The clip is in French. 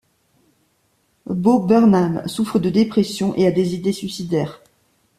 Bo Burnham souffre de dépression et a des idées suicidaires.